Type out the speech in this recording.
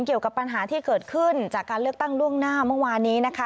เกี่ยวกับปัญหาที่เกิดขึ้นจากการเลือกตั้งล่วงหน้าเมื่อวานนี้นะคะ